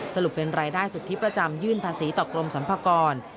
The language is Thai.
สรุปเป็นรายได้สุทธิประจำยื่นภาษีต่อกรมสรรพากร